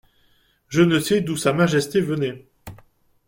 Je ne sais d'où Sa Majesté venait.